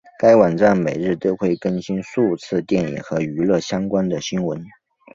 该网站每日都会更新数次电影和娱乐相关的新闻。